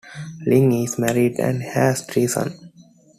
Ling is married and has three sons.